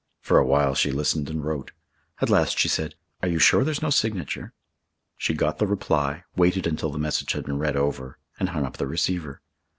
For a while she listened and wrote. At last she said: "Are you sure there's no signature?" She got the reply, waited until the message had been read over, and hung up the receiver.